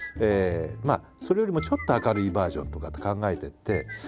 それよりもちょっと明るいバージョンとかって考えてって。